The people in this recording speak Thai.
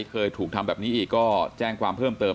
เคยถูกทำแบบนี้อีกก็แจ้งความเพิ่มเติม